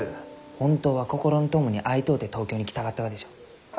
本当は心の友に会いとうて東京に来たかったがでしょう？